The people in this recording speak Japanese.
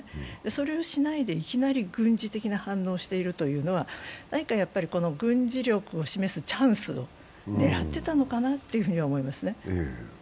それをしないでいきなり軍事的な反応をしているというのは何か軍事力を示すチャンスを狙ってたのかなと思いますね。